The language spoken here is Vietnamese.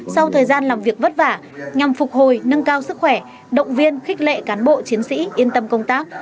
sau thời gian làm việc vất vả nhằm phục hồi nâng cao sức khỏe động viên khích lệ cán bộ chiến sĩ yên tâm công tác